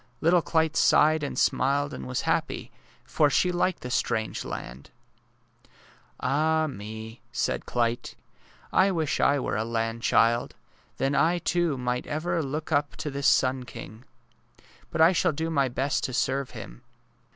Little Clyte sighed and smiled and was happy, for she liked the strange land. ^^ All, me," said Clyte, '' I wish I were a land child. Then I, too, might ever look up A SUNFLOWER STORY 205 to this sun king. But I shall do my best to serve him.